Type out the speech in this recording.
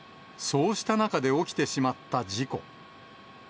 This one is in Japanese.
そうした中で起きてしまった事故。